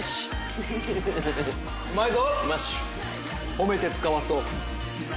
褒めてつかわそう。